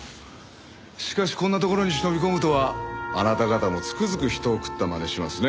しかしこんな所に忍び込むとはあなた方もつくづく人を食ったまねしますね。